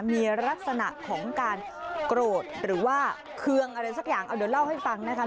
มีลักษณะของการโกรธหรือว่าเคืองอะไรสักอย่างเอาเดี๋ยวเล่าให้ฟังนะคะ